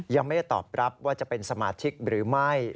ยังไม่ตอบรับว่าจะเป็นสมาชิกหรือไม่